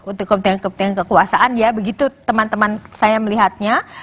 untuk kepentingan kepentingan kekuasaan ya begitu teman teman saya melihatnya